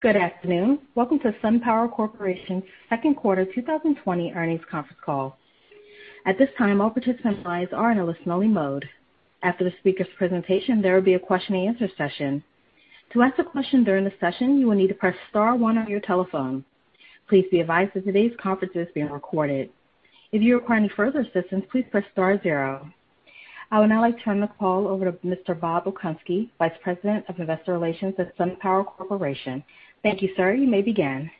Good afternoon. Welcome to SunPower Corporation's second quarter 2020 earnings conference call. At this time, all participant lines are in a listen-only mode. After the speaker's presentation, there will be a question-and-answer session. To ask a question during the session, you will need to press star one on your telephone. Please be advised that today's conference is being recorded. If you require any further assistance, please press star zero. I would now like to turn the call over to Mr. Bob Okunski, Vice President of Investor Relations at SunPower Corporation. Thank you, sir. You may begin.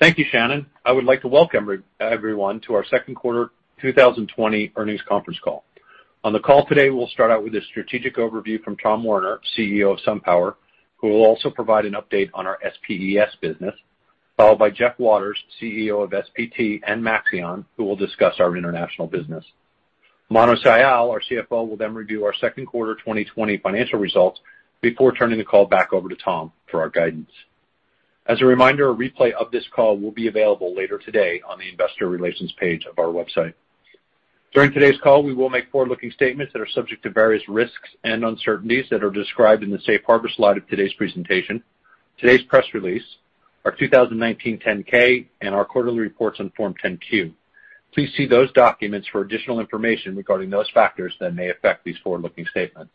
Thank you, Shannon. I would like to welcome everyone to our second quarter 2020 earnings conference call. On the call today, we'll start out with a strategic overview from Tom Werner, CEO of SunPower, who will also provide an update on our SPES business, followed by Jeff Waters, CEO of SPT and Maxeon, who will discuss our international business. Manu Sial, our CFO, will then review our second quarter 2020 financial results before turning the call back over to Tom for our guidance. As a reminder, a replay of this call will be available later today on the investor relations page of our website. During today's call, we will make forward-looking statements that are subject to various risks and uncertainties that are described in the safe harbor slide of today's presentation, today's press release, our 2019 Form 10-K, and our quarterly reports on Form 10-Q. Please see those documents for additional information regarding those factors that may affect these forward-looking statements.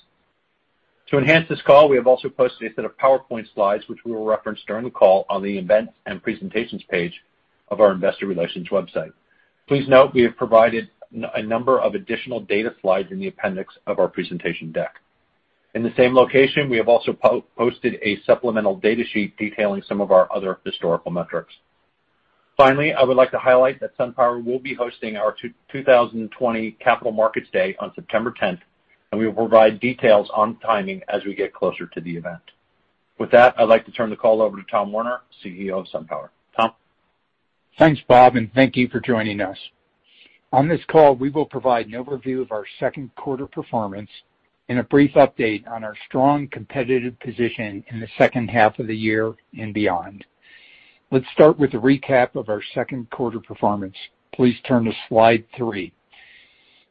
To enhance this call, we have also posted a set of PowerPoint slides which we will reference during the call on the Events and Presentations page of our investor relations website. Please note, we have provided a number of additional data slides in the appendix of our presentation deck. In the same location, we have also posted a supplemental data sheet detailing some of our other historical metrics. Finally, I would like to highlight that SunPower will be hosting our 2020 Capital Markets Day on September 10th, and we will provide details on timing as we get closer to the event. With that, I'd like to turn the call over to Tom Werner, CEO of SunPower. Tom? Thanks, Bob, and thank you for joining us. On this call, we will provide an overview of our second quarter performance and a brief update on our strong competitive position in the second half of the year and beyond. Let's start with a recap of our second quarter performance. Please turn to slide three.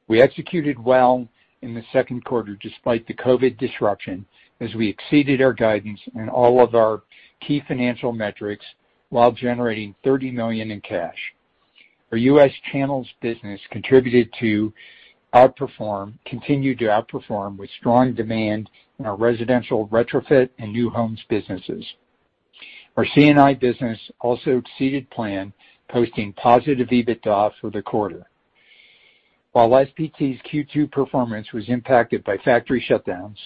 We executed well in the second quarter despite the COVID disruption, as we exceeded our guidance in all of our key financial metrics while generating $30 million in cash. Our U.S. Channels business continued to outperform with strong demand in our residential retrofit and new homes businesses. Our C&I business also exceeded plan, posting positive EBITDA for the quarter. While SPT's Q2 performance was impacted by factory shutdowns,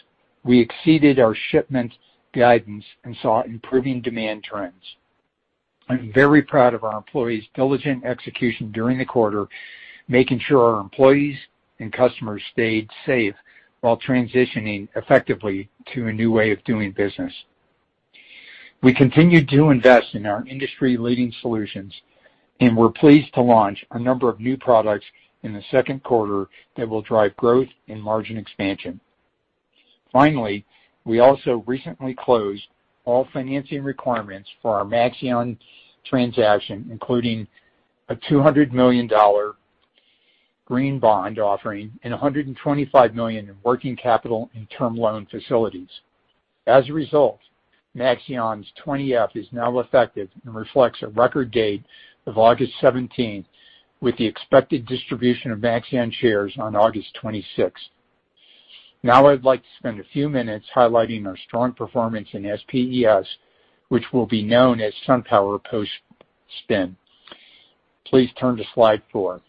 we exceeded our shipment guidance and saw improving demand trends. I'm very proud of our employees' diligent execution during the quarter, making sure our employees and customers stayed safe while transitioning effectively to a new way of doing business. We continued to invest in our industry-leading solutions, and we're pleased to launch a number of new products in the second quarter that will drive growth and margin expansion. Finally, we also recently closed all financing requirements for our Maxeon transaction, including a $200 million green bond offering and $125 million in working capital and term loan facilities. As a result, Maxeon's 20-F is now effective and reflects a record date of August 17th, with the expected distribution of Maxeon shares on August 26th. Now I'd like to spend a few minutes highlighting our strong performance in SPES, which will be known as SunPower Post Spin. Please turn to slide four.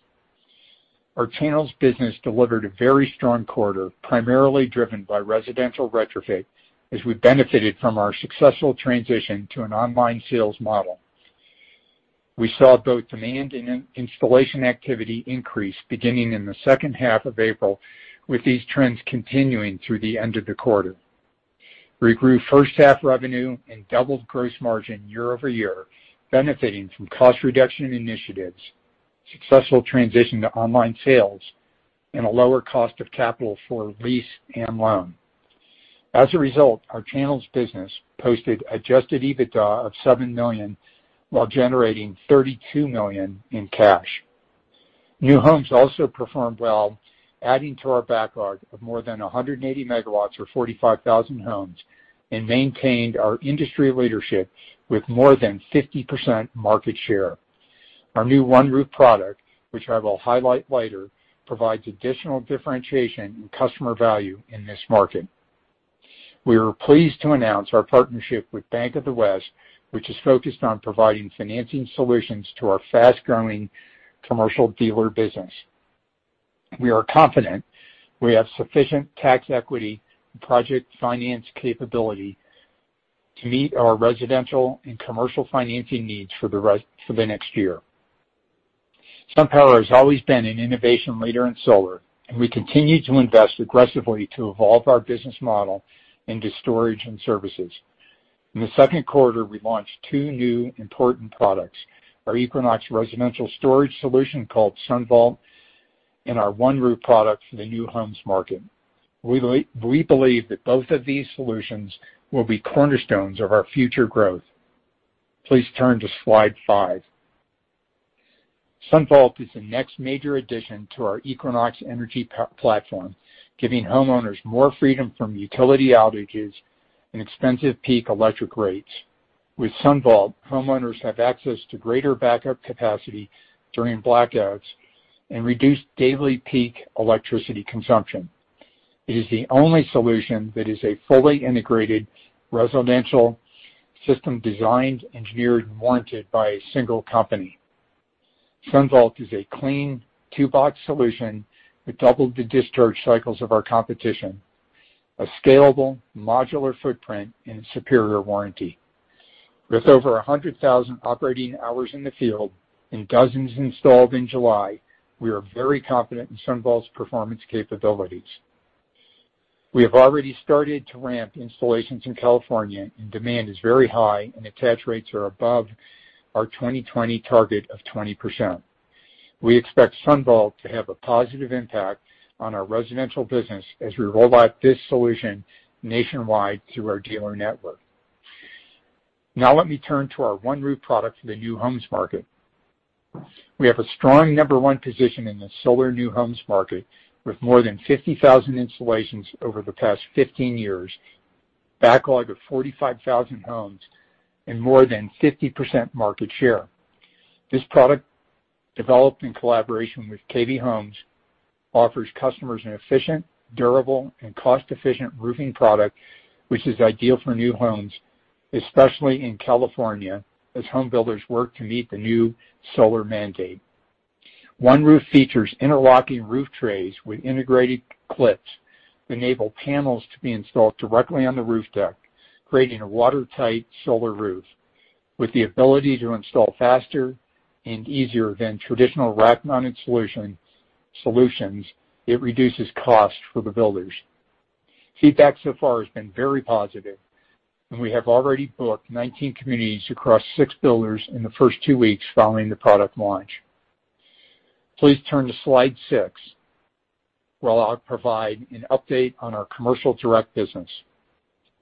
Our Channels Business delivered a very strong quarter, primarily driven by residential retrofit, as we benefited from our successful transition to an online sales model. We saw both demand and installation activity increase beginning in the second half of April, with these trends continuing through the end of the quarter. We grew first half revenue and doubled gross margin year-over-year, benefiting from cost reduction initiatives, successful transition to online sales, and a lower cost of capital for lease and loan. As a result, our Channels Business posted adjusted EBITDA of $7 million while generating $32 million in cash. New Homes also performed well, adding to our backlog of more than 180 megawatts or 45,000 homes, and maintained our industry leadership with more than 50% market share. Our new OneRoof product, which I will highlight later, provides additional differentiation and customer value in this market. We are pleased to announce our partnership with Bank of the West, which is focused on providing financing solutions to our fast-growing commercial dealer business. We are confident we have sufficient tax equity and project finance capability to meet our residential and commercial financing needs for the next year. SunPower has always been an innovation leader in solar, and we continue to invest aggressively to evolve our business model into storage and services. In the second quarter, we launched two new important products, our Equinox residential storage solution called SunVault, and our OneRoof product for the new homes market. We believe that both of these solutions will be cornerstones of our future growth. Please turn to slide five. SunVault is the next major addition to our Equinox energy platform, giving homeowners more freedom from utility outages and expensive peak electric rates. With SunVault, homeowners have access to greater backup capacity during blackouts and reduced daily peak electricity consumption. It is the only solution that is a fully integrated residential system designed, engineered, and warranted by a single company. SunVault is a clean two-box solution with double the discharge cycles of our competition, a scalable modular footprint, and a superior warranty. With over 100,000 operating hours in the field and dozens installed in July, we are very confident in SunVault's performance capabilities. We have already started to ramp installations in California, and demand is very high, and attach rates are above our 2020 target of 20%. We expect SunVault to have a positive impact on our residential business as we roll out this solution nationwide through our dealer network. Let me turn to our OneRoof product for the new homes market. We have a strong number one position in the solar new homes market, with more than 50,000 installations over the past 15 years, backlog of 45,000 homes, and more than 50% market share. This product, developed in collaboration with KB Home, offers customers an efficient, durable, and cost-efficient roofing product, which is ideal for new homes, especially in California, as home builders work to meet the new solar mandate. OneRoof features interlocking roof trays with integrated clips that enable panels to be installed directly on the roof deck, creating a watertight solar roof. With the ability to install faster and easier than traditional rack-mounted solutions, it reduces cost for the builders. Feedback so far has been very positive. We have already booked 19 communities across six builders in the first two weeks following the product launch. Please turn to slide six, where I'll provide an update on our commercial direct business.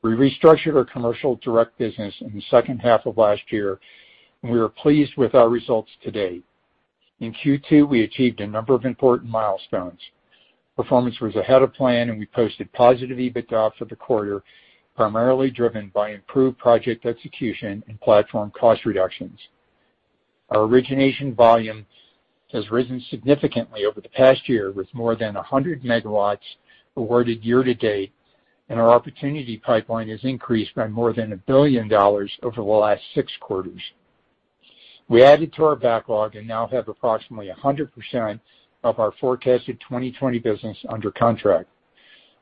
We restructured our commercial direct business in the second half of last year, and we are pleased with our results to date. In Q2, we achieved a number of important milestones. Performance was ahead of plan, and we posted positive EBITDA for the quarter, primarily driven by improved project execution and platform cost reductions. Our origination volume has risen significantly over the past year, with more than 100 MW awarded year-to-date, and our opportunity pipeline has increased by more than $1 billion over the last six quarters. We added to our backlog and now have approximately 100% of our forecasted 2020 business under contract.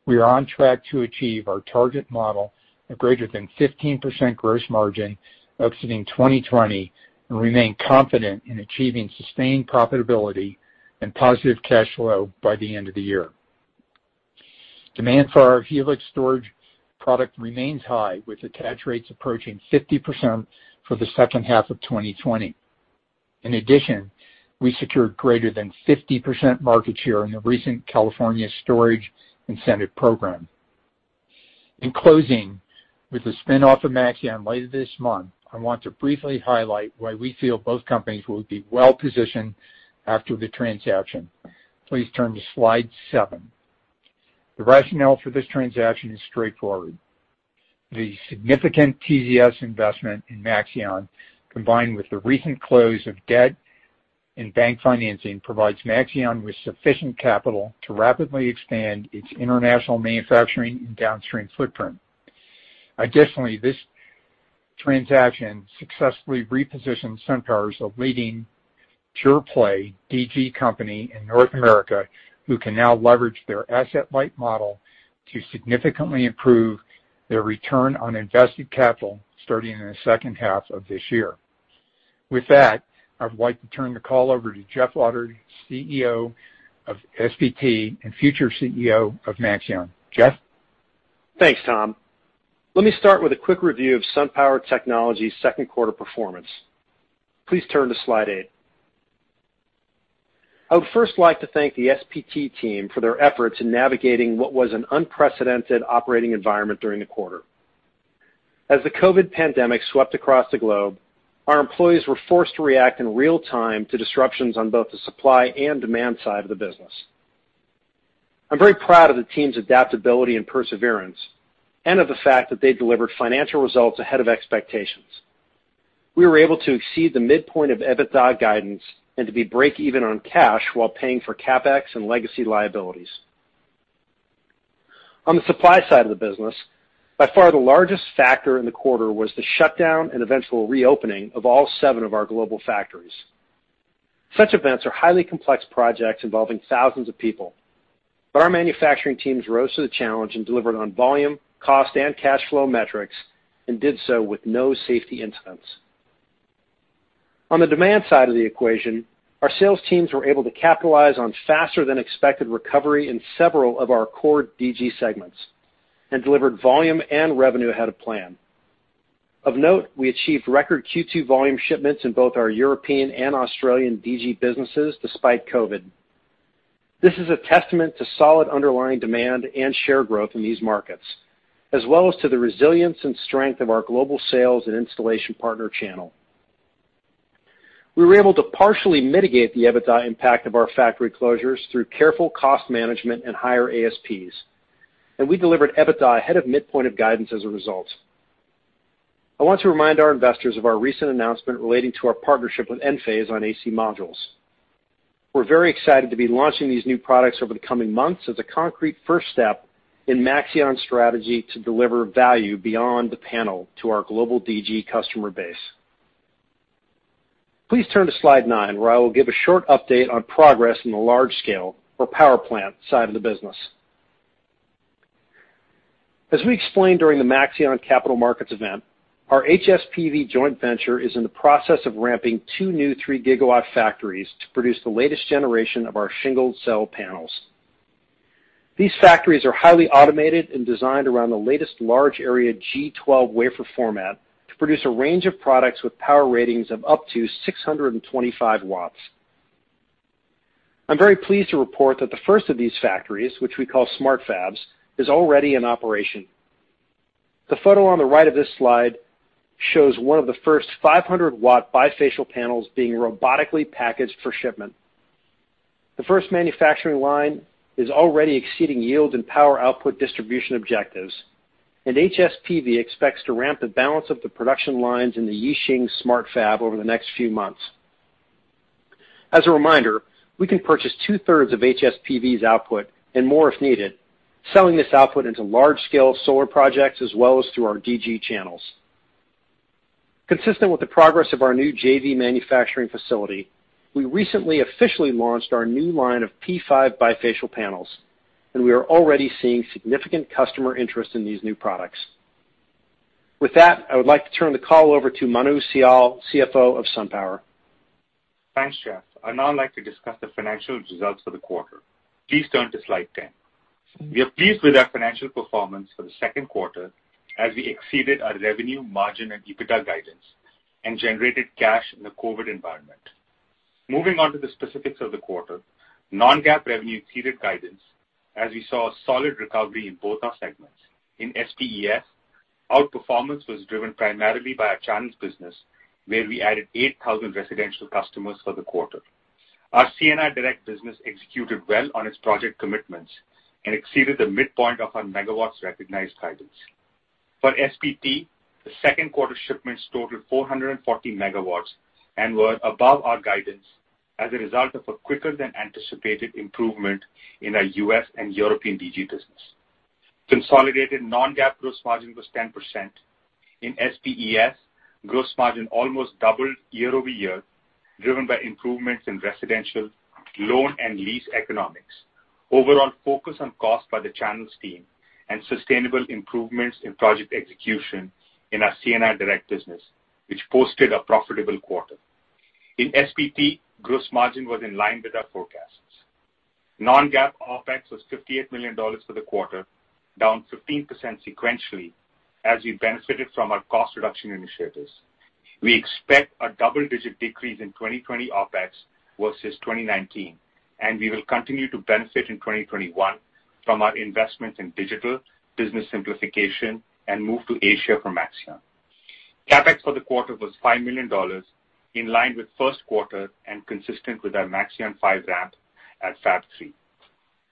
We are on track to achieve our target model of greater than 15% gross margin exiting 2020 and remain confident in achieving sustained profitability and positive cash flow by the end of the year. Demand for our Helix storage product remains high, with attach rates approaching 50% for the second half of 2020. In addition, we secured greater than 50% market share in the recent California Storage Incentive Program. In closing, with the spin-off of Maxeon later this month, I want to briefly highlight why we feel both companies will be well-positioned after the transaction. Please turn to slide seven. The rationale for this transaction is straightforward. The significant TZS investment in Maxeon, combined with the recent close of debt and bank financing, provides Maxeon with sufficient capital to rapidly expand its international manufacturing and downstream footprint. Additionally, this transaction successfully repositions SunPower as a leading pure-play DG company in North America, who can now leverage their asset-light model to significantly improve their return on invested capital starting in the second half of this year. With that, I'd like to turn the call over to Jeff Waters, CEO of SPT and future CEO of Maxeon. Jeff? Thanks, Tom. Let me start with a quick review of SunPower Technology's second quarter performance. Please turn to slide eight. I would first like to thank the SPT team for their efforts in navigating what was an unprecedented operating environment during the quarter. As the COVID pandemic swept across the globe, our employees were forced to react in real time to disruptions on both the supply and demand side of the business. I'm very proud of the team's adaptability and perseverance and of the fact that they delivered financial results ahead of expectations. We were able to exceed the midpoint of EBITDA guidance and to be break even on cash while paying for CapEx and legacy liabilities. On the supply side of the business, by far the largest factor in the quarter was the shutdown and eventual reopening of all seven of our global factories. Such events are highly complex projects involving thousands of people, but our manufacturing teams rose to the challenge and delivered on volume, cost, and cash flow metrics, and did so with no safety incidents. On the demand side of the equation, our sales teams were able to capitalize on faster than expected recovery in several of our core DG segments and delivered volume and revenue ahead of plan. Of note, we achieved record Q2 volume shipments in both our European and Australian DG businesses despite COVID. This is a testament to solid underlying demand and share growth in these markets, as well as to the resilience and strength of our global sales and installation partner channel. We were able to partially mitigate the EBITDA impact of our factory closures through careful cost management and higher ASPs, and we delivered EBITDA ahead of midpoint of guidance as a result. I want to remind our investors of our recent announcement relating to our partnership with Enphase on AC modules. We're very excited to be launching these new products over the coming months as a concrete first step in Maxeon's strategy to deliver value beyond the panel to our global DG customer base. Please turn to slide nine, where I will give a short update on progress in the large-scale or power plant side of the business. As we explained during the Maxeon Capital Markets event, our HSPV joint venture is in the process of ramping two new three-gigawatt factories to produce the latest generation of our shingled cell panels. These factories are highly automated and designed around the latest large area G12 wafer format to produce a range of products with power ratings of up to 625 W. I'm very pleased to report that the first of these factories, which we call smart fabs, is already in operation. The photo on the right of this slide shows one of the first 500-W bifacial panels being robotically packaged for shipment. The first manufacturing line is already exceeding yield and power output distribution objectives, and HSPV expects to ramp the balance of the production lines in the Yixing smart fab over the next few months. As a reminder, we can purchase two-thirds of HSPV's output, and more if needed, selling this output into large-scale solar projects as well as through our DG channels. Consistent with the progress of our new JV manufacturing facility, we recently officially launched our new line of P5 bifacial panels, and we are already seeing significant customer interest in these new products. With that, I would like to turn the call over to Manu Sial, CFO of SunPower. Thanks, Jeff. I'd now like to discuss the financial results for the quarter. Please turn to slide 10. We are pleased with our financial performance for the second quarter as we exceeded our revenue, margin, and EBITDA guidance and generated cash in the COVID environment. Moving on to the specifics of the quarter, non-GAAP revenue exceeded guidance as we saw a solid recovery in both our segments. In SPES, outperformance was driven primarily by our channels business, where we added 8,000 residential customers for the quarter. Our C&I direct business executed well on its project commitments and exceeded the midpoint of our megawatts recognized guidance. For SPT, the second quarter shipments totaled 440 megawatts and were above our guidance as a result of a quicker-than-anticipated improvement in our U.S. and European DG business. Consolidated non-GAAP gross margin was 10%. In SPES, gross margin almost doubled year-over-year, driven by improvements in residential loan and lease economics, overall focus on cost by the channels team, and sustainable improvements in project execution in our C&I direct business, which posted a profitable quarter. In SPT, gross margin was in line with our forecasts. non-GAAP OpEx was $58 million for the quarter, down 15% sequentially as we benefited from our cost reduction initiatives. We expect a double-digit decrease in 2020 OpEx versus 2019, and we will continue to benefit in 2021 from our investments in digital business simplification and move to Asia for Maxeon. CapEx for the quarter was $5 million, in line with first quarter and consistent with our Maxeon 5 ramp at Fab 3.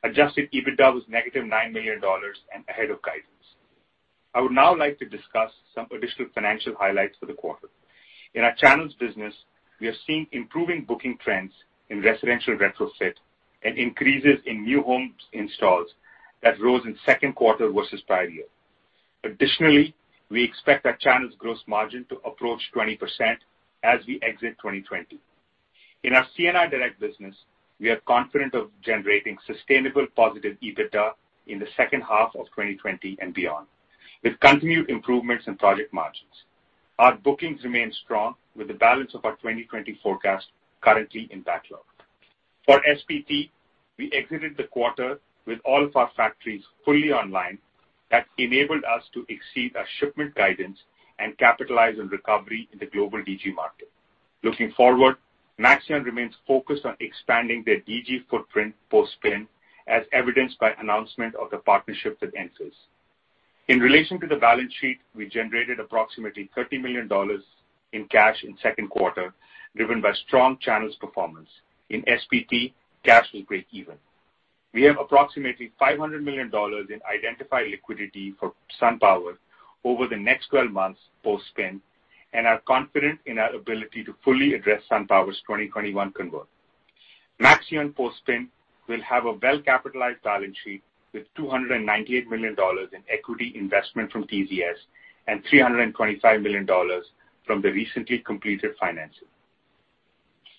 Adjusted EBITDA was negative $9 million and ahead of guidance. I would now like to discuss some additional financial highlights for the quarter. In our channels business, we are seeing improving booking trends in residential retrofit and increases in new home installs that rose in second quarter versus prior year. Additionally, we expect our channels gross margin to approach 20% as we exit 2020. In our C&I direct business, we are confident of generating sustainable positive EBITDA in the second half of 2020 and beyond with continued improvements in project margins. Our bookings remain strong with the balance of our 2020 forecast currently in backlog. For SPT, we exited the quarter with all of our factories fully online. That enabled us to exceed our shipment guidance and capitalize on recovery in the global DG market. Looking forward, Maxeon remains focused on expanding their DG footprint post-spin, as evidenced by announcement of the partnership with Enphase. In relation to the balance sheet, we generated approximately $30 million in cash in second quarter, driven by strong channels performance. In SPT, cash was breakeven. We have approximately $500 million in identified liquidity for SunPower over the next 12 months post-spin and are confident in our ability to fully address SunPower's 2021 convert. Maxeon post-spin will have a well-capitalized balance sheet with $298 million in equity investment from TZS and $325 million from the recently completed financing.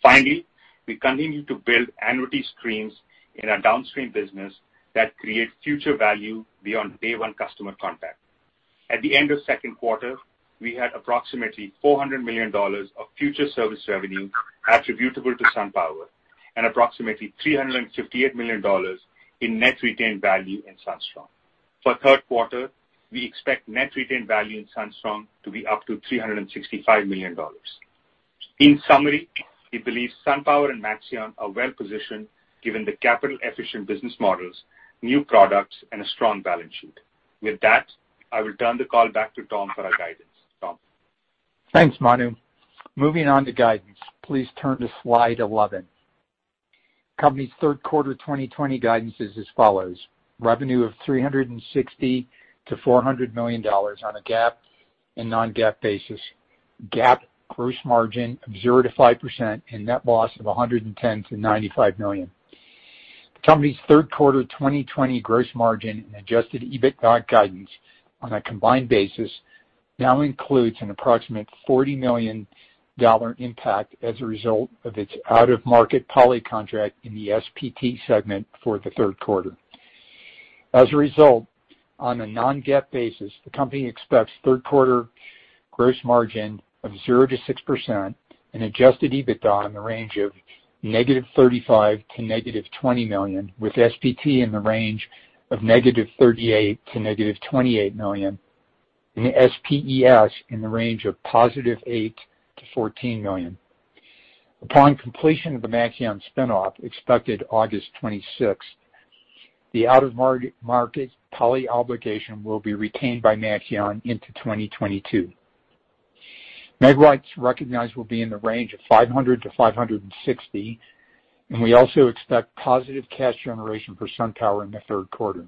Finally, we continue to build annuity streams in our downstream business that create future value beyond day one customer contact. At the end of second quarter, we had approximately $400 million of future service revenue attributable to SunPower and approximately $358 million in net retained value in SunStrong. For third quarter, we expect net retained value in SunStrong to be up to $365 million. In summary, we believe SunPower and Maxeon are well-positioned given the capital-efficient business models, new products, and a strong balance sheet. With that, I will turn the call back to Tom for our guidance. Tom? Thanks, Manu. Moving on to guidance. Please turn to slide 11. Company's third quarter 2020 guidance is as follows: Revenue of $360 million to $400 million on a GAAP and non-GAAP basis, GAAP gross margin of 0% to 5%, and net loss of $110 million to $95 million. The company's third quarter 2020 gross margin and adjusted EBITDA guidance on a combined basis now includes an approximate $40 million impact as a result of its out-of-market poly contract in the SPT segment for the third quarter. As a result, on a non-GAAP basis, the company expects third quarter gross margin of 0% to 6% and adjusted EBITDA in the range of -$35 million to -$20 million, with SPT in the range of -$38 million to -$28 million, and SPES in the range of +$8 million to $14 million. Upon completion of the Maxeon spin-off, expected August 26th, the out-of-market poly obligation will be retained by Maxeon into 2022. Megawatts recognized will be in the range of 500 MW to 560 mW, and we also expect positive cash generation for SunPower in the third quarter.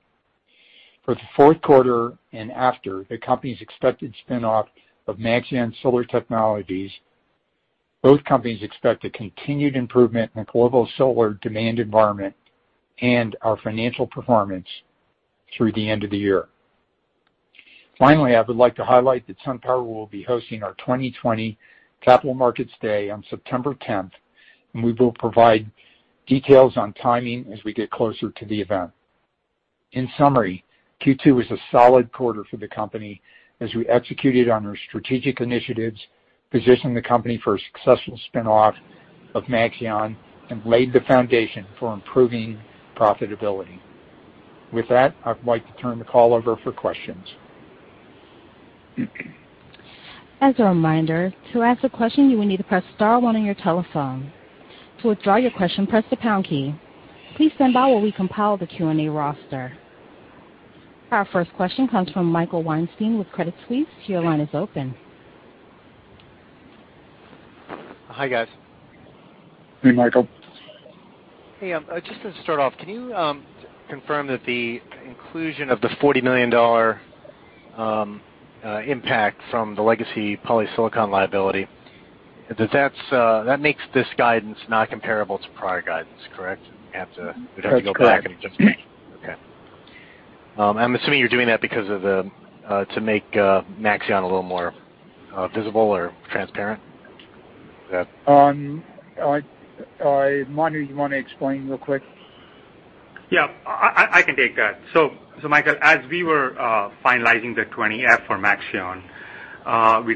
For the fourth quarter and after the company's expected spin-off of Maxeon Solar Technologies, both companies expect a continued improvement in the global solar demand environment and our financial performance through the end of the year. Finally, I would like to highlight that SunPower will be hosting our 2020 Capital Markets Day on September 10th, and we will provide details on timing as we get closer to the event. In summary, Q2 was a solid quarter for the company as we executed on our strategic initiatives, positioned the company for a successful spin-off of Maxeon, and laid the foundation for improving profitability. With that, I'd like to turn the call over for questions. As a reminder, to ask a question, you will need to press star one on your telephone. To withdraw your question, press the pound key. Please stand by while we compile the Q&A roster. Our first question comes from Michael Weinstein with Credit Suisse. Your line is open. Hi, guys. Hey, Michael. Hey. Just to start off, can you confirm that the inclusion of the $40 million impact from the legacy polysilicon liability, that makes this guidance not comparable to prior guidance, correct? That's correct. You'd have to go back and adjust. Okay. I'm assuming you're doing that to make Maxeon a little more visible or transparent. Is that correct? Manu, you want to explain real quick? Yeah, I can take that. Michael, as we were finalizing the 20-F for Maxeon, we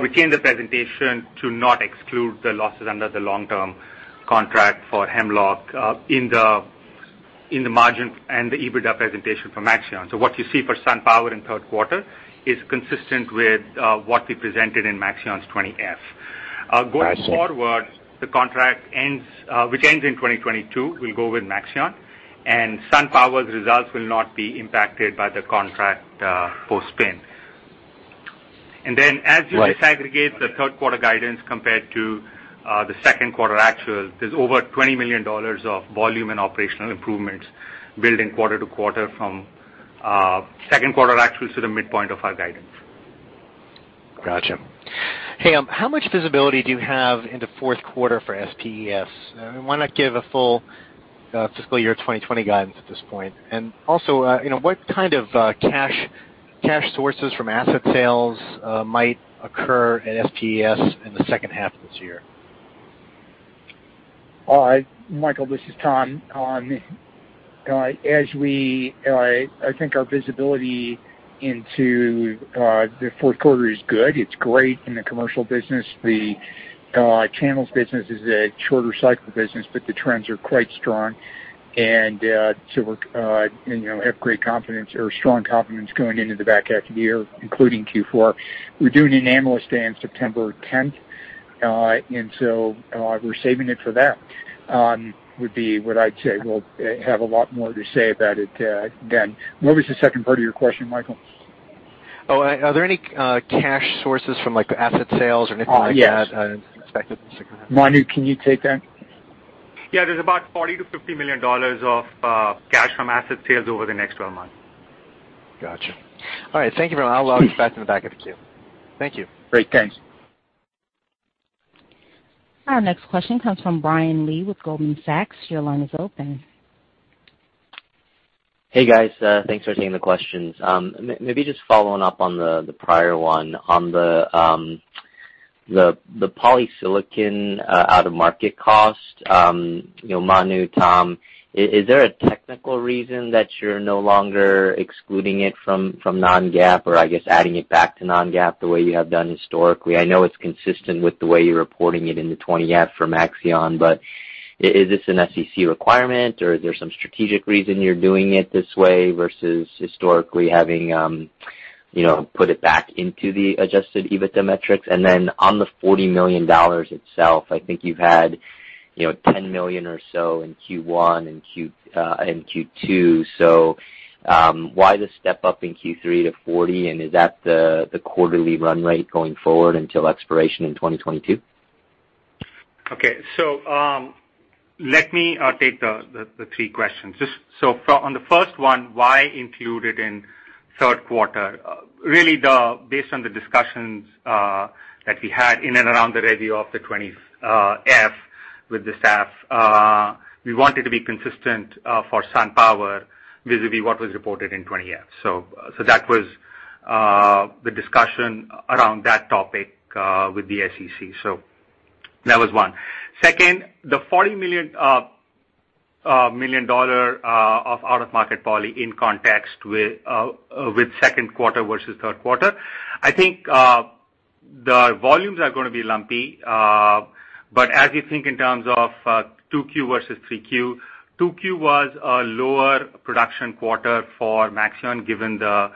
retained the presentation to not exclude the losses under the long-term contract for Hemlock in the margin and the EBITDA presentation for Maxeon. What you see for SunPower in the third quarter is consistent with what we presented in Maxeon's 20-F. Got you. Going forward, the contract which ends in 2022, will go with Maxeon, and SunPower's results will not be impacted by the contract post-spin. Right disaggregate the third quarter guidance compared to the second quarter actual, there's over $20 million of volume and operational improvements building quarter-to-quarter from second quarter actual to the midpoint of our guidance. Got you. Hey, how much visibility do you have into fourth quarter for SPES? Why not give a full fiscal year 2020 guidance at this point? Also, what kind of cash sources from asset sales might occur at SPES in the second half of this year? Michael, this is Tom. I think our visibility into the fourth quarter is good. It's great in the commercial business. The channels business is a shorter cycle business, but the trends are quite strong, and so we have great confidence or strong confidence going into the back half of the year, including Q4. We're doing an Analyst Day on September 10th, and so we're saving it for that, would be what I'd say. We'll have a lot more to say about it then. What was the second part of your question, Michael? Oh, are there any cash sources from asset sales or anything like that? Oh, yeah. expected in the second half? Manu, can you take that? Yeah. There's about $40 million-$50 million of cash from asset sales over the next 12 months. Got you. All right. Thank you very much. I'll log you back in the back of the queue. Thank you. Great. Thanks. Our next question comes from Brian Lee with Goldman Sachs. Your line is open. Hey, guys. Thanks for taking the questions. Maybe just following up on the prior one, on the polysilicon out-of-market cost, Manu, Tom, is there a technical reason that you're no longer excluding it from non-GAAP, or I guess adding it back to non-GAAP the way you have done historically? I know it's consistent with the way you're reporting it in the 20-F for Maxeon. Is this an SEC requirement or is there some strategic reason you're doing it this way versus historically having put it back into the adjusted EBITDA metrics? On the $40 million itself, I think you've had $10 million or so in Q1 and Q2. Why the step-up in Q3 to $40, and is that the quarterly run rate going forward until expiration in 2022? Okay. Let me take the three questions. On the first one, why include it in third quarter? Really based on the discussions that we had in and around the review of the 20-F with the staff, we wanted to be consistent for SunPower vis-a-vis what was reported in 20-F. That was the discussion around that topic with the SEC. That was one. Second, the $40 million of out-of-market poly in context with second quarter versus third quarter. I think the volumes are going to be lumpy, but as you think in terms of 2Q versus 3Q, 2Q was a lower production quarter for Maxeon given the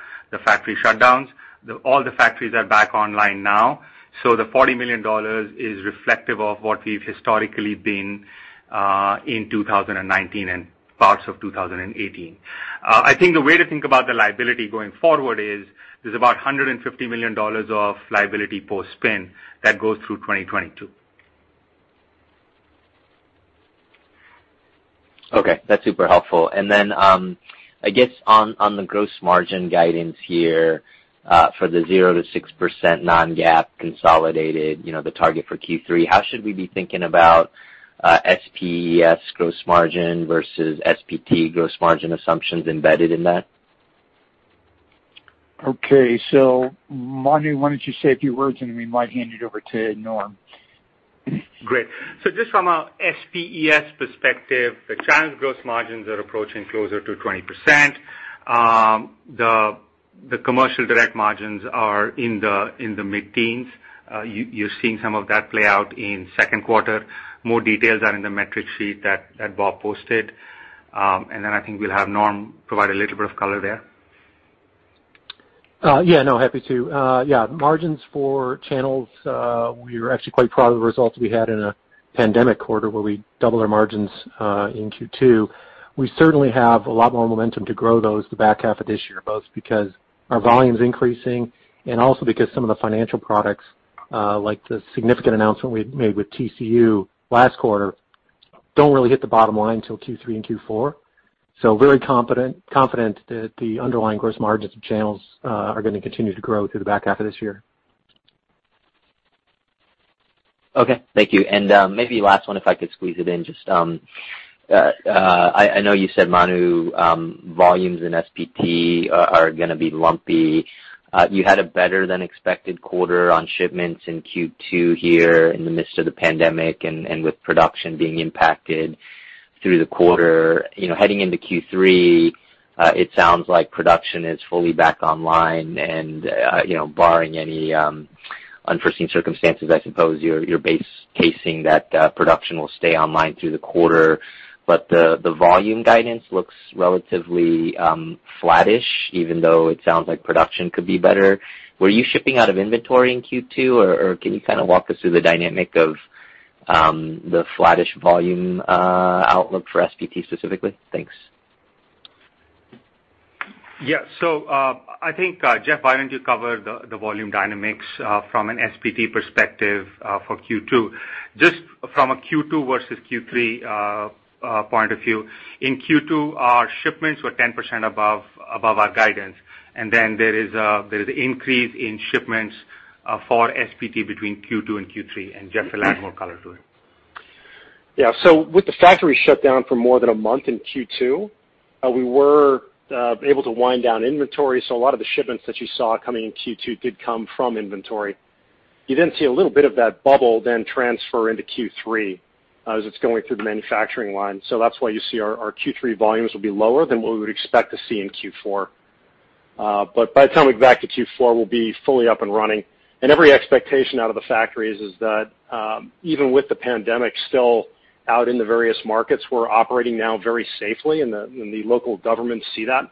factory shutdowns. All the factories are back online now. The $40 million is reflective of what we've historically been in 2019 and parts of 2018. I think the way to think about the liability going forward is there's about $150 million of liability post-spin that goes through 2022. Okay, that's super helpful. I guess on the gross margin guidance here for the 0%-6% non-GAAP consolidated, the target for Q3, how should we be thinking about SPES gross margin versus SPT gross margin assumptions embedded in that? Okay. Manu, why don't you say a few words, and we might hand it over to Norm? Great. Just from a SPES perspective, the channel gross margins are approaching closer to 20%. The commercial direct margins are in the mid-teens. You're seeing some of that play out in second quarter. More details are in the metric sheet that Bob posted. I think we'll have Norm provide a little bit of color there. Yeah, no, happy to. Yeah, margins for channels, we're actually quite proud of the results we had in a pandemic quarter where we doubled our margins in Q2. We certainly have a lot more momentum to grow those the back half of this year, both because our volume's increasing and also because some of the financial products, like the significant announcement we made with TCU last quarter, don't really hit the bottom line till Q3 and Q4. Very confident that the underlying gross margins of channels are going to continue to grow through the back half of this year. Okay, thank you. Maybe last one, if I could squeeze it in. I know you said, Manu, volumes in SPT are going to be lumpy. You had a better than expected quarter on shipments in Q2 here in the midst of the pandemic and with production being impacted through the quarter. Heading into Q3, it sounds like production is fully back online and, barring any unforeseen circumstances, I suppose you're base casing that production will stay online through the quarter. The volume guidance looks relatively flattish, even though it sounds like production could be better. Were you shipping out of inventory in Q2, or can you kind of walk us through the dynamic of the flattish volume outlook for SPT specifically? Thanks. Yeah. I think, Jeff, why don't you cover the volume dynamics from an SPT perspective for Q2? Just from a Q2 versus Q3 point of view, in Q2, our shipments were 10% above our guidance. There is increase in shipments for SPT between Q2 and Q3, and Jeff will add more color to it. Yeah. With the factory shut down for more than a month in Q2, we were able to wind down inventory. A lot of the shipments that you saw coming in Q2 did come from inventory. You then see a little bit of that bubble then transfer into Q3 as it's going through the manufacturing line. That's why you see our Q3 volumes will be lower than what we would expect to see in Q4. By the time we get back to Q4, we'll be fully up and running. Every expectation out of the factories is that, even with the pandemic still out in the various markets, we're operating now very safely, and the local governments see that.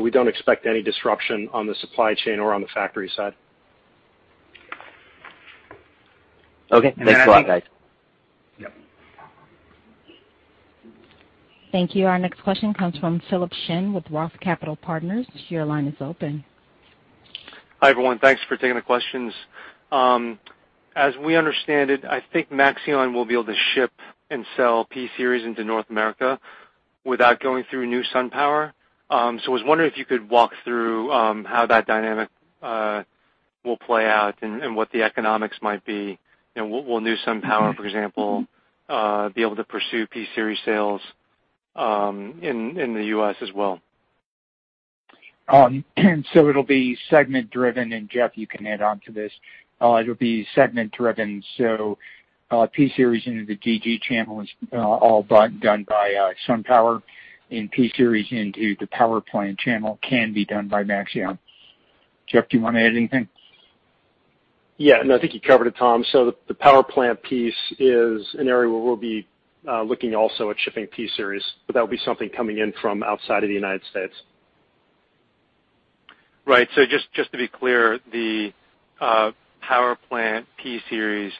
We don't expect any disruption on the supply chain or on the factory side. Okay. Thanks a lot, guys. Yep. Thank you. Our next question comes from Philip Shen with Roth Capital Partners. Your line is open. Hi, everyone. Thanks for taking the questions. As we understand it, I think Maxeon will be able to ship and sell P-Series into North America without going through New SunPower. I was wondering if you could walk through how that dynamic will play out and what the economics might be. Will New SunPower, for example, be able to pursue P-Series sales in the U.S. as well? It'll be segment driven, and Jeff, you can add on to this. It'll be segment driven, so P-Series into the DG channel is all done by SunPower, and P-Series into the power plant channel can be done by Maxeon. Jeff, do you want to add anything? Yeah. No, I think you covered it, Tom. The power plant piece is an area where we'll be looking also at shipping P-Series, but that would be something coming in from outside of the U.S. Right. Just to be clear, the power plant P-Series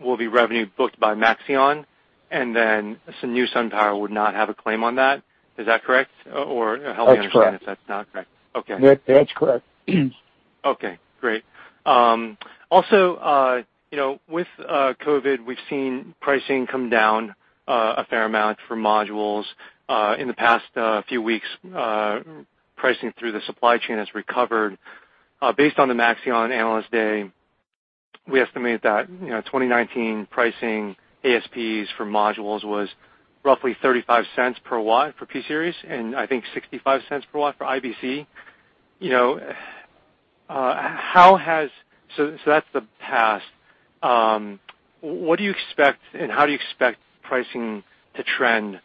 will be revenue booked by Maxeon, and then the new SunPower would not have a claim on that. Is that correct? Help me- That's correct. understand if that's not correct. Okay. That's correct. Okay, great. With COVID, we've seen pricing come down a fair amount for modules. In the past few weeks, pricing through the supply chain has recovered. Based on the Maxeon Analyst Day, we estimate that 2019 pricing ASPs for modules was roughly $0.35 per watt for P-Series, and I think $0.65 per watt for IBC. That's the past. What do you expect and how do you expect pricing to trend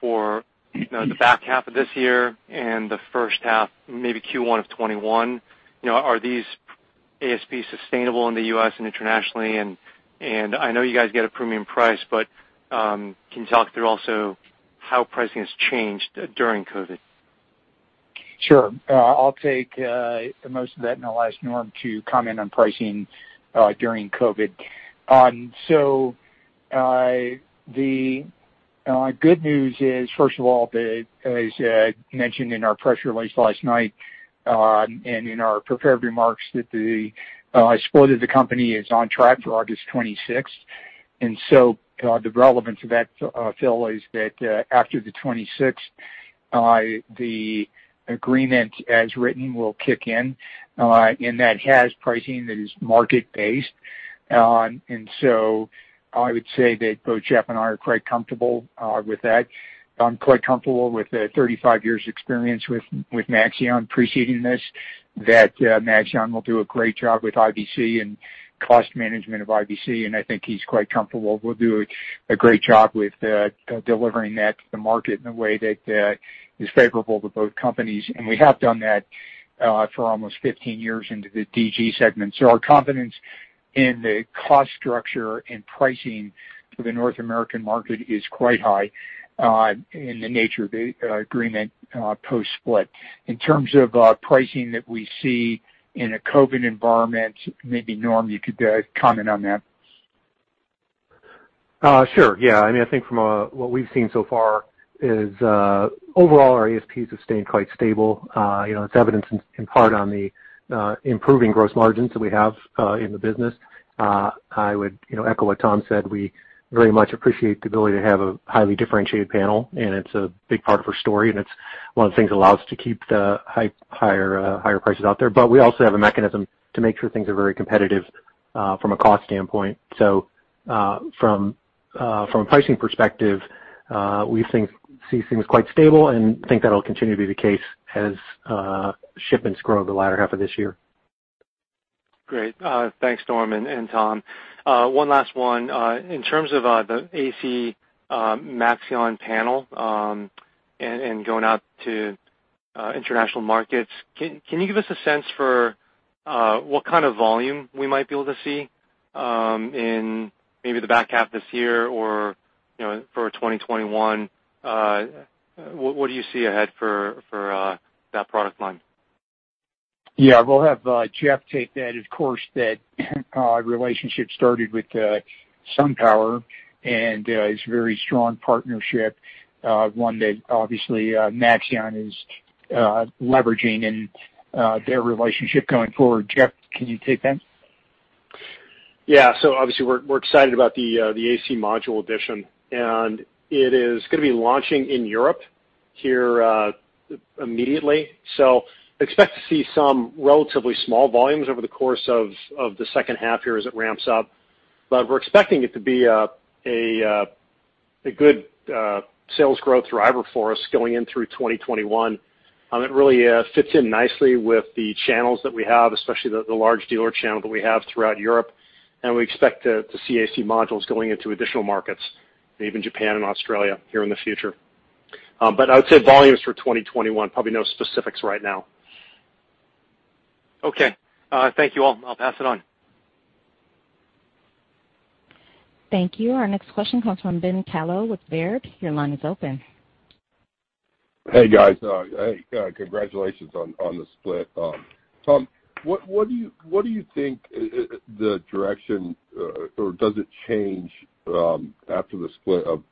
for the back half of this year and the first half, maybe Q1 of 2021? Are these ASPs sustainable in the U.S. and internationally? I know you guys get a premium price, but can you talk through also how pricing has changed during COVID? Sure. I'll take most of that, and I'll ask Norm to comment on pricing during COVID. The good news is, first of all, as mentioned in our press release last night and in our prepared remarks, that the split of the company is on track for August 26th. The relevance of that, Phil, is that after the 26th, the agreement as written will kick in, and that has pricing that is market-based. I would say that both Jeff and I are quite comfortable with that. I'm quite comfortable with the 35 years experience with Maxeon preceding this, that Maxeon will do a great job with IBC and cost management of IBC, and I think he's quite comfortable we'll do a great job with delivering that to the market in a way that is favorable to both companies. We have done that for almost 15 years into the DG segment. Our confidence in the cost structure and pricing for the North American market is quite high in the nature of the agreement post-split. In terms of pricing that we see in a COVID environment, maybe Norm, you could comment on that. Sure. Yeah. I think from what we've seen so far is overall our ASPs have stayed quite stable. It's evidenced in part on the improving gross margins that we have in the business. I would echo what Tom said. We very much appreciate the ability to have a highly differentiated panel, and it's a big part of our story, and it's one of the things that allows us to keep the higher prices out there. We also have a mechanism to make sure things are very competitive from a cost standpoint. From a pricing perspective, we see things quite stable and think that'll continue to be the case as shipments grow the latter half of this year. Great. Thanks, Norm and Tom. One last one. In terms of the AC Maxeon panel and going out to international markets, can you give us a sense for what kind of volume we might be able to see in maybe the back half of this year or for 2021? What do you see ahead for that product line? Yeah, we'll have Jeff take that. Of course, that relationship started with SunPower and is a very strong partnership, one that obviously Maxeon is leveraging in their relationship going forward. Jeff, can you take that? Yeah. Obviously we're excited about the AC module addition, and it is going to be launching in Europe here immediately. Expect to see some relatively small volumes over the course of the second half here as it ramps up. We're expecting it to be a good sales growth driver for us going in through 2021. It really fits in nicely with the channels that we have, especially the large dealer channel that we have throughout Europe, and we expect to see AC modules going into additional markets, maybe in Japan and Australia here in the future. I would say volumes for 2021, probably no specifics right now. Okay. Thank you all. I'll pass it on. Thank you. Our next question comes from Ben Kallo with Baird. Your line is open. Hey, guys. Hey, congratulations on the split. Tom, what do you think the direction, or does it change after the split of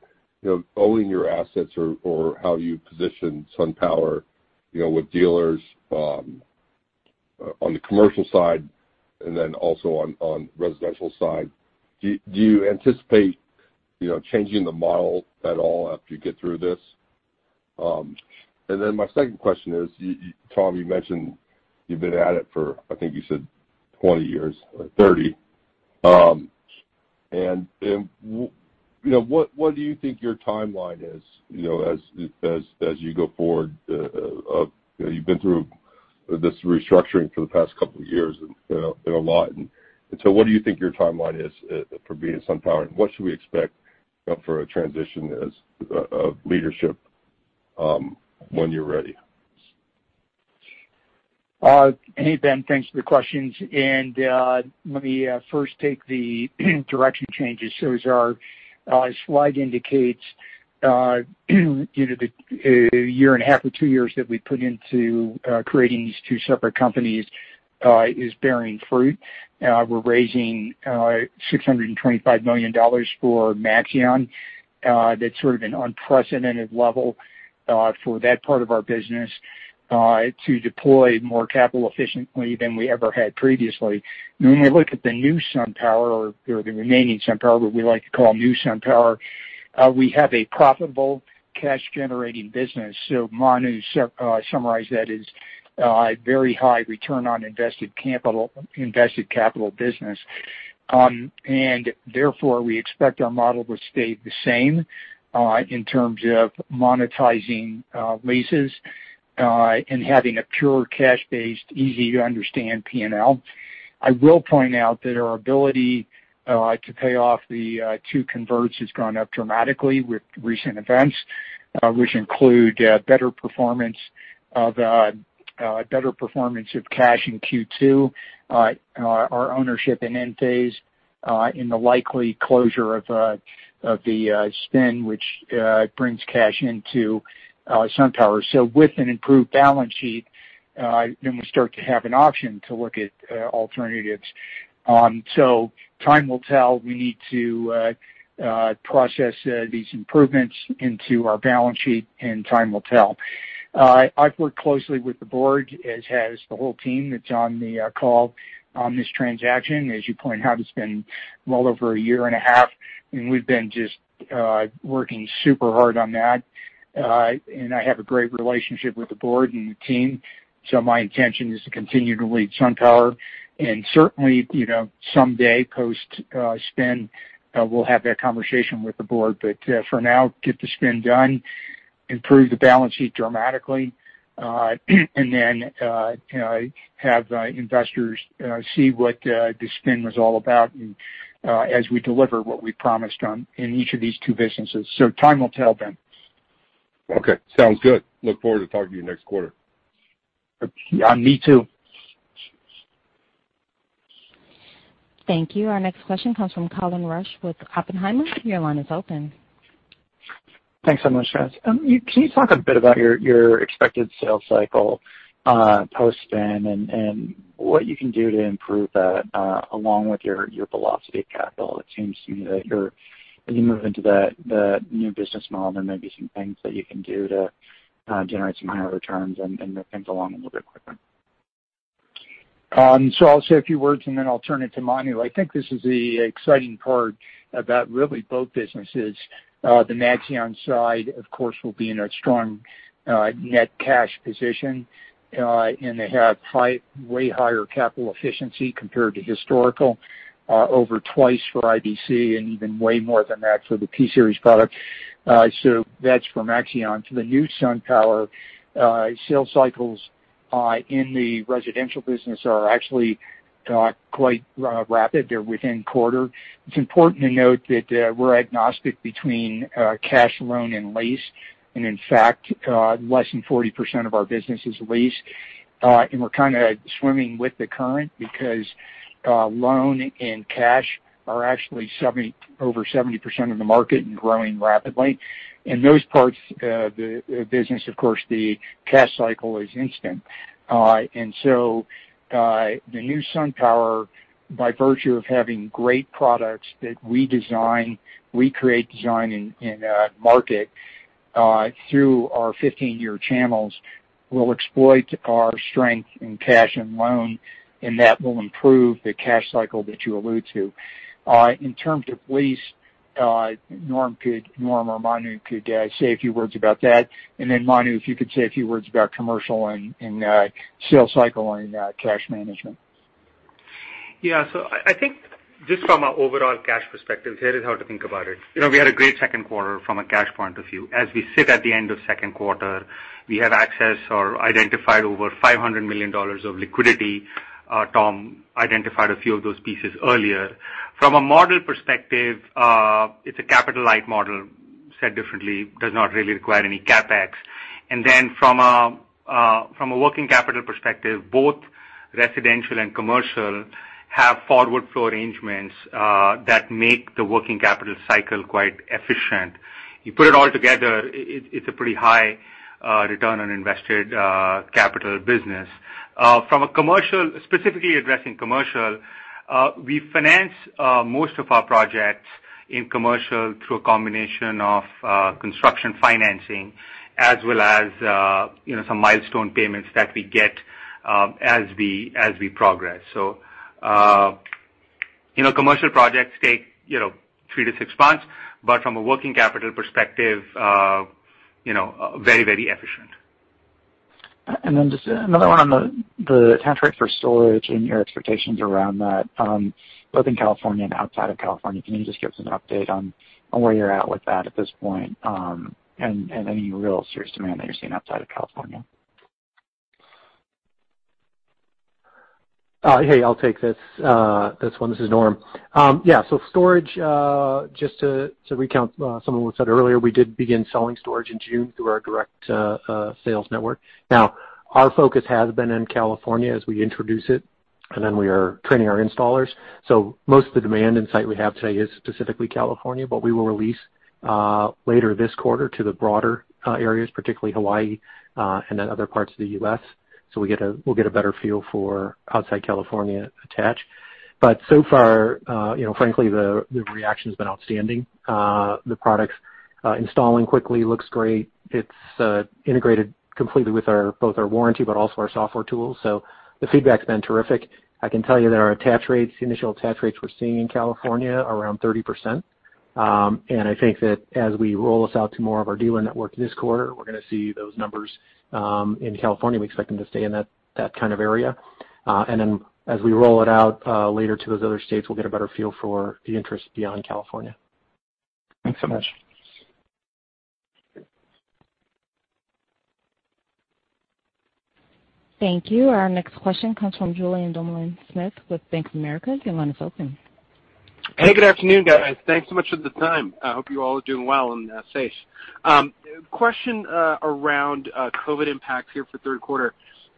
owning your assets or how you position SunPower with dealers on the commercial side and then also on residential side? Do you anticipate changing the model at all after you get through this? My second question is, Tom, you mentioned you've been at it for, I think you said 20 years or 30. What do you think your timeline is as you go forward? You've been through this restructuring for the past couple of years, and been a lot. What do you think your timeline is for being at SunPower, and what should we expect for a transition as leadership when you're ready? Hey, Ben. Thanks for the questions. Let me first take the direction changes. As our slide indicates the one and a half or two years that we put into creating these two separate companies is bearing fruit. We're raising $625 million for Maxeon. That's sort of an unprecedented level for that part of our business to deploy more capital efficiently than we ever had previously. When we look at the new SunPower, or the remaining SunPower, what we like to call new SunPower, we have a profitable cash-generating business. Manu summarized that as a very high return on invested capital business. Therefore, we expect our model to stay the same in terms of monetizing leases and having a pure cash-based, easy-to-understand P&L. I will point out that our ability to pay off the two converts has gone up dramatically with recent events, which include better performance of cash in Q2, our ownership in Enphase, and the likely closure of the spin, which brings cash into SunPower. With an improved balance sheet, then we start to have an option to look at alternatives. Time will tell. We need to process these improvements into our balance sheet, and time will tell. I've worked closely with the board, as has the whole team that's on the call on this transaction. As you point out, it's been well over a year and a half, and we've been just working super hard on that. I have a great relationship with the board and the team. My intention is to continue to lead SunPower and certainly, someday post-spin, we'll have that conversation with the board. For now, get the spin done, improve the balance sheet dramatically and then have investors see what the spin was all about and as we deliver what we promised on in each of these two businesses. Time will tell, Ben. Okay, sounds good. Look forward to talking to you next quarter. Yeah, me too. Thank you. Our next question comes from Colin Rusch with Oppenheimer. Your line is open. Thanks so much, guys. Can you talk a bit about your expected sales cycle post-spin and what you can do to improve that along with your velocity of capital? It seems to me that as you move into the new business model, there may be some things that you can do to generate some higher returns and move things along a little bit quicker. I'll say a few words, and then I'll turn it to Manu. I think this is the exciting part about really both businesses. The Maxeon side, of course, will be in a strong net cash position. They have way higher capital efficiency compared to historical, over twice for IBC and even way more than that for the P-Series product. That's for Maxeon. To the new SunPower, sales cycles in the residential business are actually quite rapid. They're within quarter. It's important to note that we're agnostic between cash, loan, and lease, and in fact, less than 40% of our business is lease. We're kind of swimming with the current because loan and cash are actually over 70% of the market and growing rapidly. In those parts of the business, of course, the cash cycle is instant. The new SunPower, by virtue of having great products that we design, we create, design, and market through our 15-year channels, will exploit our strength in cash and loan, and that will improve the cash cycle that you allude to. In terms of lease, Norm or Manu could say a few words about that. Manu, if you could say a few words about commercial and sales cycle and cash management. Yeah. I think just from an overall cash perspective, here is how to think about it. We had a great second quarter from a cash point of view. As we sit at the end of second quarter, we have access or identified over $500 million of liquidity. Tom identified a few of those pieces earlier. From a model perspective, it's a capital-light model. Said differently, does not really require any CapEx. From a working capital perspective, both residential and commercial have forward flow arrangements that make the working capital cycle quite efficient. You put it all together, it's a pretty high return on invested capital business. From a commercial, specifically addressing commercial, we finance most of our projects in commercial through a combination of construction financing as well as some milestone payments that we get as we progress. Commercial projects take three to six months, but from a working capital perspective very efficient. Just another one on the attach rate for storage and your expectations around that, both in California and outside of California. Can you just give us an update on where you're at with that at this point? Any real serious demand that you're seeing outside of California? I'll take this one. This is Norm. Storage, just to recount some of what said earlier, we did begin selling storage in June through our direct sales network. Our focus has been in California as we introduce it, we are training our installers. Most of the demand insight we have today is specifically California, we will release later this quarter to the broader areas, particularly Hawaii, other parts of the U.S. We'll get a better feel for outside California attach. So far, frankly, the reaction's been outstanding. The product's installing quickly, looks great. It's integrated completely with both our warranty but also our software tools. The feedback's been terrific. I can tell you that our initial attach rates we're seeing in California are around 30%. I think that as we roll this out to more of our dealer network this quarter, we're going to see those numbers in California. We expect them to stay in that kind of area. As we roll it out later to those other states, we'll get a better feel for the interest beyond California. Thanks so much. Thank you. Our next question comes from Julien Dumoulin-Smith with Bank of America. Your line is open. Hey, good afternoon, guys. Thanks so much for the time. I hope you all are doing well and safe. Question around COVID impacts here for the third quarter?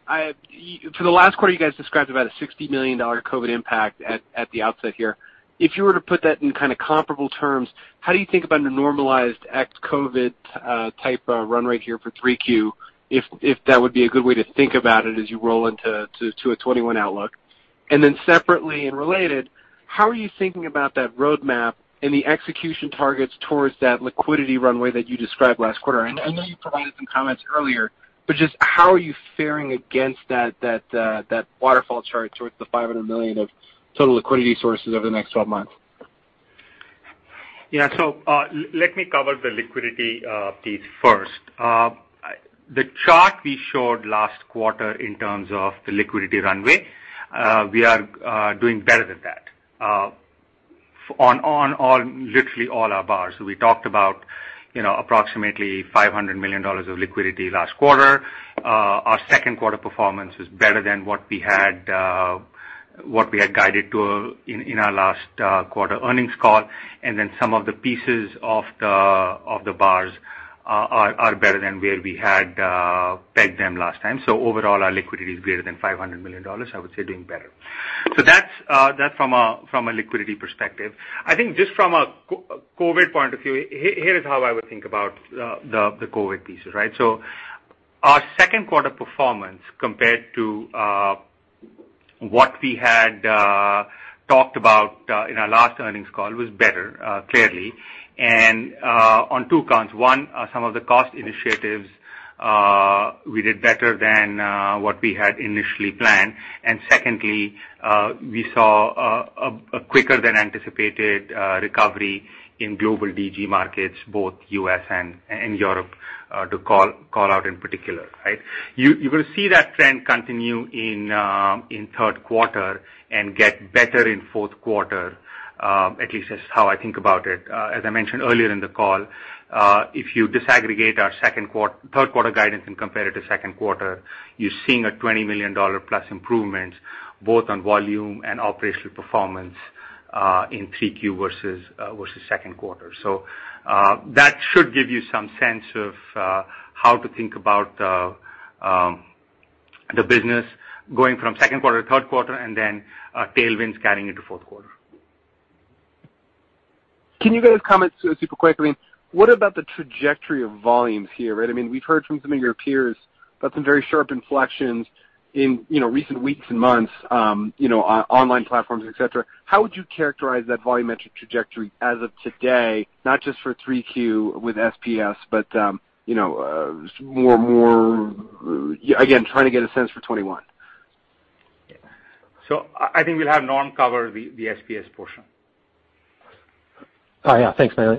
For the last quarter, you guys described about a $60 million COVID impact at the outset here. If you were to put that in kind of comparable terms, how do you think about a normalized ex-COVID type run rate here for 3Q, if that would be a good way to think about it as you roll into a 2021 outlook? Separately and related, how are you thinking about that roadmap and the execution targets towards that liquidity runway that you described last quarter? I know you provided some comments earlier, but just how are you faring against that waterfall chart towards the $500 million of total liquidity sources over the next 12 months? Let me cover the liquidity piece first. The chart we showed last quarter in terms of the liquidity runway, we are doing better than that on literally all our bars. We talked about approximately $500 million of liquidity last quarter. Our second quarter performance is better than what we had guided to in our last quarter earnings call. Some of the pieces of the bars are better than where we had pegged them last time. Overall, our liquidity is greater than $500 million. I would say doing better. That's from a liquidity perspective. I think just from a COVID point of view, here is how I would think about the COVID pieces, right? Our second quarter performance compared to what we had talked about in our last earnings call was better, clearly, and on two counts. One, some of the cost initiatives we did better than what we had initially planned. Secondly, we saw a quicker than anticipated recovery in global DG markets, both U.S. and Europe, to call out in particular, right. You're going to see that trend continue in third quarter and get better in fourth quarter. At least that's how I think about it. As I mentioned earlier in the call, if you disaggregate our third quarter guidance and compare it to second quarter, you're seeing a $20 million+ improvement both on volume and operational performance in 3Q versus second quarter. That should give you some sense of how to think about the business going from second quarter to third quarter and then tailwinds carrying into fourth quarter. Can you guys comment super quick? What about the trajectory of volumes here, right? We've heard from some of your peers about some very sharp inflections in recent weeks and months, online platforms, et cetera. How would you characterize that volumetric trajectory as of today, not just for 3Q with SPES, but more, again, trying to get a sense for 2021? I think we'll have Norm cover the SPES portion. Thanks, Manu.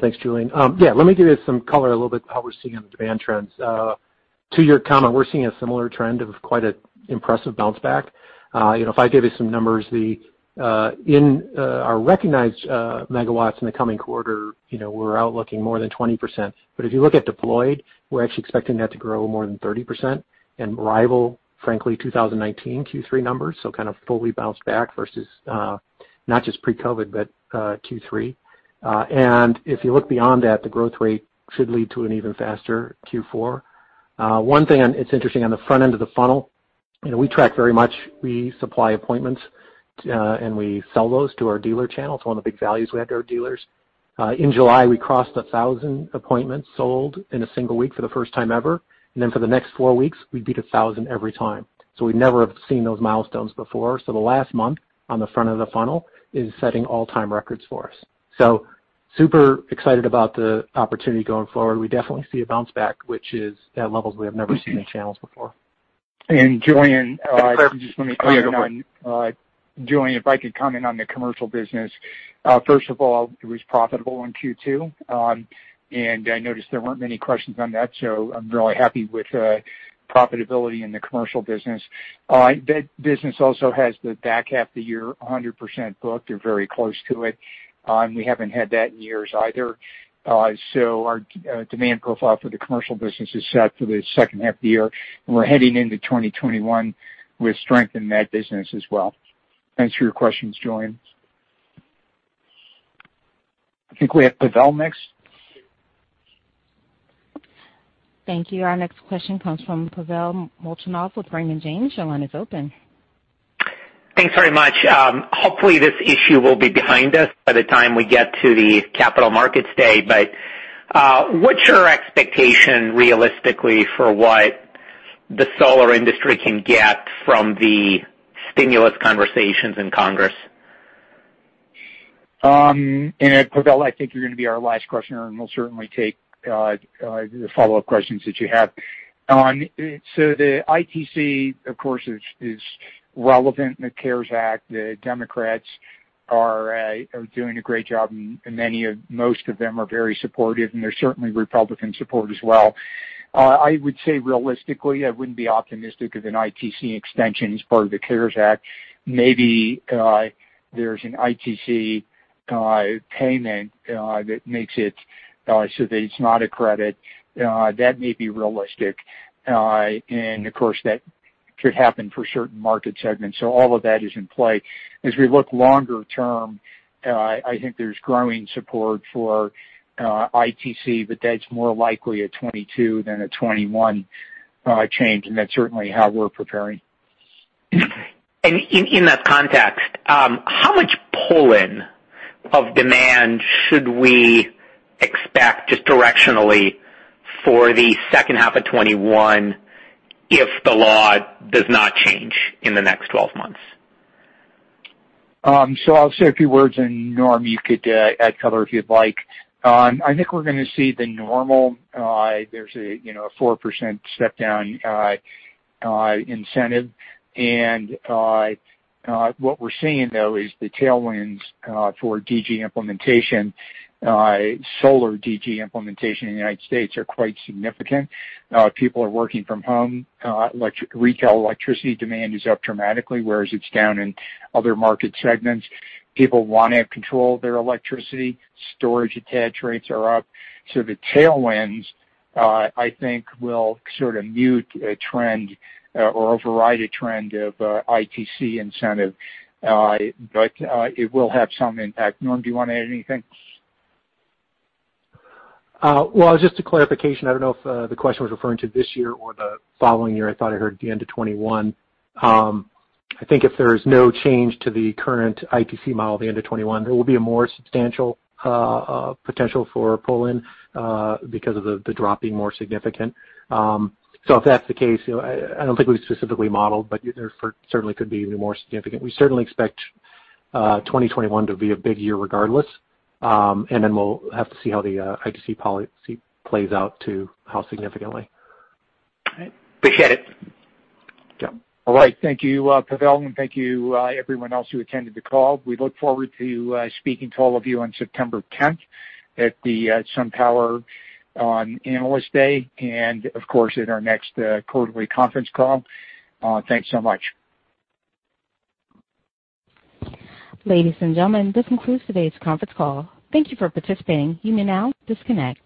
Thanks, Julien. Let me give you some color a little bit how we're seeing on the demand trends. To your comment, we're seeing a similar trend of quite an impressive bounce back. If I gave you some numbers, in our recognized megawatts in the coming quarter, we're out looking more than 20%. If you look at deployed, we're actually expecting that to grow more than 30% and rival, frankly, 2019 Q3 numbers. Kind of fully bounce back versus not just pre-COVID, but Q3. If you look beyond that, the growth rate should lead to an even faster Q4. One thing, it's interesting on the front end of the funnel, we track very much, we supply appointments, and we sell those to our dealer channel. It's one of the big values we add to our dealers. In July, we crossed 1,000 appointments sold in a single week for the first time ever. For the next four weeks, we beat 1,000 every time. We never have seen those milestones before. The last month on the front of the funnel is setting all-time records for us. Super excited about the opportunity going forward. We definitely see a bounce back, which is at levels we have never seen in channels before. Julien, just let me comment. Oh, go for it. Julien, if I could comment on the commercial business. First of all, it was profitable in Q2. I noticed there weren't many questions on that, so I'm really happy with profitability in the commercial business. That business also has the back half of the year 100% booked or very close to it. We haven't had that in years either. Our demand profile for the commercial business is set for the second half of the year, and we're heading into 2021 with strength in that business as well. Thanks for your questions, Julien. I think we have Pavel next. Thank you. Our next question comes from Pavel Molchanov with Raymond James. Your line is open. Thanks very much. Hopefully, this issue will be behind us by the time we get to the Capital Markets Day. What's your expectation, realistically, for what the solar industry can get from the stimulus conversations in Congress? Pavel, I think you're going to be our last questioner, and we'll certainly take the follow-up questions that you have. The ITC, of course, is relevant in the CARES Act. The Democrats are doing a great job, and most of them are very supportive, and there's certainly Republican support as well. I would say, realistically, I wouldn't be optimistic of an ITC extension as part of the CARES Act. Maybe there's an ITC payment that makes it so that it's not a credit. That may be realistic. Of course, that could happen for certain market segments. All of that is in play. As we look longer term, I think there's growing support for ITC, but that's more likely a 2022 than a 2021 change, and that's certainly how we're preparing. In that context, how much pull-in of demand should we expect, just directionally, for the second half of 2021 if the law does not change in the next 12 months? I'll say a few words, and Norm, you could add color if you'd like. I think we're going to see the normal. There's a 4% step-down incentive. What we're seeing, though, is the tailwinds for DG implementation, solar DG implementation in the U.S. are quite significant. People are working from home. Retail electricity demand is up dramatically, whereas it's down in other market segments. People want to have control of their electricity. Storage attach rates are up. The tailwinds, I think, will sort of mute a trend or override a trend of ITC incentive, but it will have some impact. Norm, do you want to add anything? Well, just a clarification. I don't know if the question was referring to this year or the following year. I thought I heard the end of 2021. I think if there is no change to the current ITC model at the end of 2021, there will be a more substantial potential for pull-in because of the drop being more significant. If that's the case, I don't think we've specifically modeled, but there certainly could be even more significant. We certainly expect 2021 to be a big year regardless, and then we'll have to see how the ITC policy plays out to how significantly. All right. Appreciate it. Yeah. All right. Thank you, Pavel, and thank you everyone else who attended the call. We look forward to speaking to all of you on September 10th at the SunPower Analyst Day and, of course, at our next quarterly conference call. Thanks so much. Ladies and gentlemen, this concludes today's conference call. Thank you for participating. You may now disconnect.